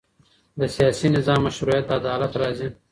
د سیاسي نظام مشروعیت له عدالت راځي